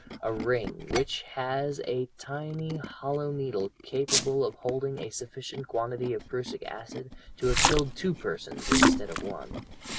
a ring, which has a tiny hollow needle capable of holding a sufficient quantity of prussic acid to have killed two persons instead of one.